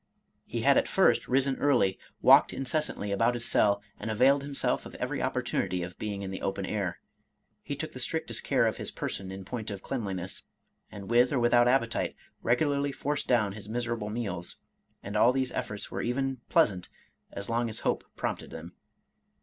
He had at first risen early, walked incessantly about his cell, and availed himself of every opportunity of being in the open air. He took the strictest care of his person in point of cleanliness, and with or without appetite, regu larly forced down his miserable meals ; and all these efforts were even pleasant, as long as hope prompted them.